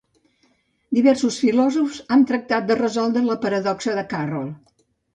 Diversos filòsofs han tractat de resoldre la paradoxa de Carroll.